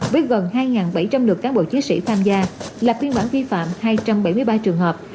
với gần hai bảy trăm linh lượt cán bộ chiến sĩ tham gia lập biên bản vi phạm hai trăm bảy mươi ba trường hợp